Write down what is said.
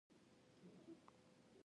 آیا د مڼو ګلونه ږلۍ خرابوي؟